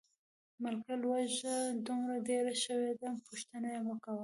ملکه لوږه دومره ډېره شوې ده، پوښتنه یې مکوه.